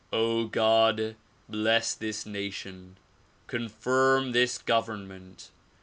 God ! bless this nation. Confirm this government.